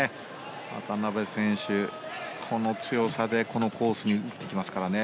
渡辺選手、この強さでこのコースに打ってきますからね